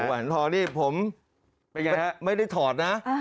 แหวนทองนี่ผมไม่ได้ถอดนะ